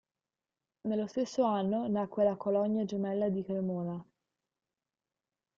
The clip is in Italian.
Nello stesso anno nacque la colonia gemella di Cremona.